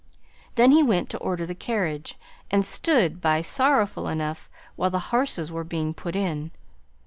Then he went to order the carriage, and stood by sorrowful enough while the horses were being put in.